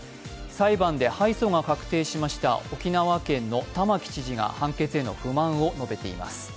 裁判で敗訴が確定しました、沖縄県の玉城知事が判決への不満を述べています。